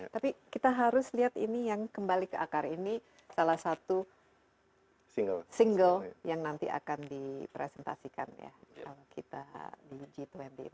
tapi kita harus lihat ini yang kembali ke akar ini salah satu single yang nanti akan dipresentasikan ya kita di g dua puluh